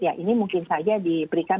ya ini mungkin saja diberikan